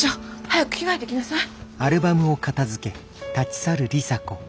早く着替えてきなさい。